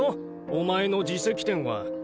お前の自責点は。